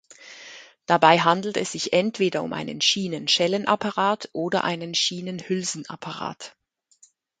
Dabei handelt es sich entweder um einen Schienen-Schellen-Apparat oder einen Schienen-Hülsenapparat.